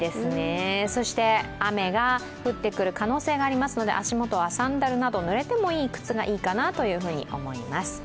そして雨が降ってくる可能性がありますので足元はサンダルなどぬれてもいい靴があるといいかなと思います。